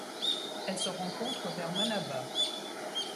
Elle se rencontre vers Manaba.